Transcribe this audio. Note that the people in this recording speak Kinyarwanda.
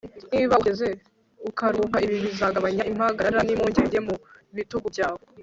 Niba uhagaze ukaruhuka ibi bizagabanya impagarara nimpungenge mubitugu byawe